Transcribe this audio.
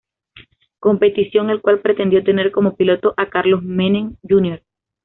Competición, el cual pretendió tener como pilotos a Carlos Menem Jr.